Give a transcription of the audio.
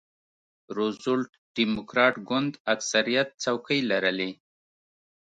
روزولټ ډیموکراټ ګوند اکثریت څوکۍ لرلې.